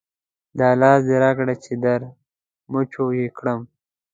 دا لاس دې راکړه چې در مچو یې کړم.